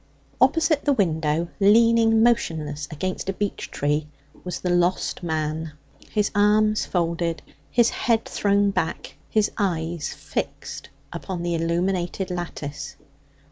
Opposite the window, leaning motionless against a beech tree, was the lost man, his arms folded, his head thrown back, his eyes fixed upon the illuminated lattice.